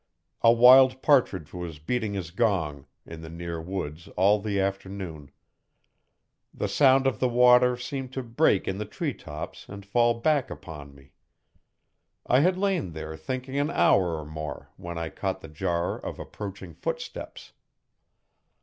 A wild partridge was beating his gong in the near woods all the afternoon. The sound of the water seemed to break in the tree tops and fall back upon me. I had lain there thinking an hour or more when I caught the jar of approaching footsteps.